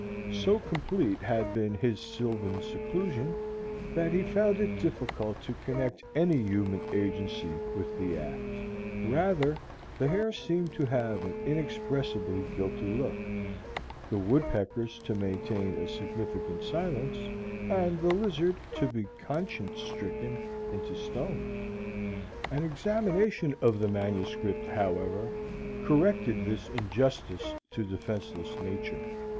So complete had been his sylvan seclusion, that he found it difficult to connect any human agency with the act; rather the hare seemed to have an inexpressibly guilty look, the woodpeckers to maintain a significant silence, and the lizard to be conscience stricken into stone. An examination of the manuscript, however, corrected this injustice to defenceless nature.